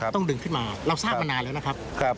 ต้องดึงขึ้นมาเราทราบมานานแล้วนะครับ